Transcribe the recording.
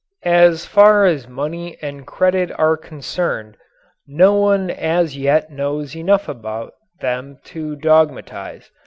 As far as money and credit are concerned, no one as yet knows enough about them to dogmatize.